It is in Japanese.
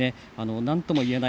なんとも言えない